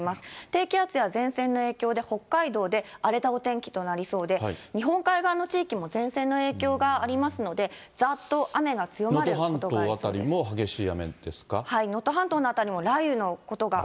低気圧や前線の影響で、北海道で荒れたお天気となりそうで、日本海側の地域も前線の影響がありますので、能登半島辺りも激しい雨ですか。